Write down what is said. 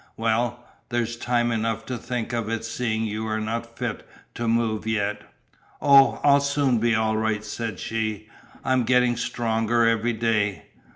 Well, there's time enough to think of it seeing you are not fit to move yet." "Oh, I'll soon be all right," said she. "I'm getting stronger every day."